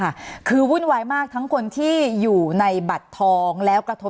สนับสนุนโดยพี่โพเพี่ยวสะอาดใสไร้คราบ